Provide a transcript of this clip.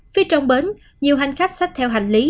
phía trong bến nhiều hành khách xách theo hành lý